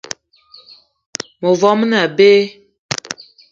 Mevo me ne abe.